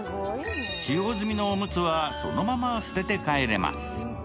使用済みのおむつはそのまま捨てて帰れます。